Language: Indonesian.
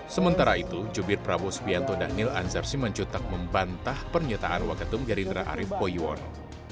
sementara itu jubir prabowo subianto dhanil anzapsi mencutak membantah pernyataan waketum gerindra arief puyono